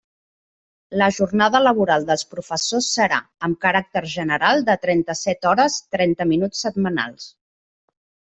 La jornada laboral dels professors serà, amb caràcter general de trenta-set hores trenta minuts setmanals.